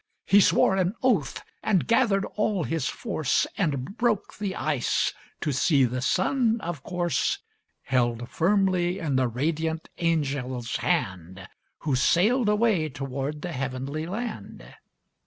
He swore an oath, and gathered all his force, And broke the ice, to see the sun, of course, Held firmly in the radiant angel's hand, Who sailed away toward the heavenly land.